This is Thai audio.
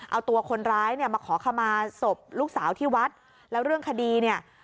เอาตัวคนร้ายเนี่ยมาขอขมาศพลูกสาวที่วัดแล้วเรื่องคดีเนี่ย